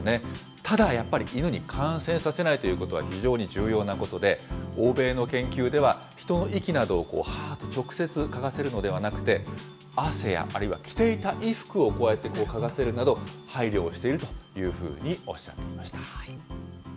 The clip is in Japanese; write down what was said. ただやっぱり、犬に感染させないということは非常に重要なことで、欧米の研究では人の息などを、はーっと直接嗅がせるのではなくて、汗やあるいは着ていた衣服を、こう、嗅がせるなど配慮をしているというふうにおっしゃっていました。